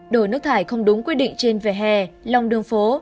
đổi nước thải không đúng quy định trên vỉa hè lòng đường phố